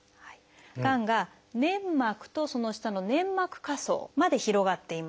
がんが粘膜とその下の粘膜下層まで広がっています。